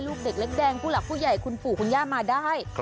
ลูกเด็กเล็กแดงผู้หลักผู้ใหญ่คุณปู่คุณย่ามาได้